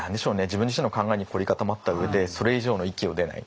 自分自身の考えに凝り固まった上でそれ以上の域を出ない。